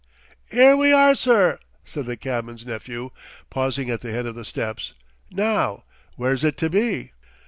"'Ere we are, sir," said the cabman's nephew, pausing at the head of the steps. "Now, where's it to be?"